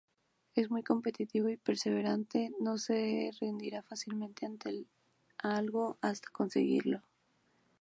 Es muy competitivo y perseverante, no se rendirá fácilmente ante algo hasta conseguirlo.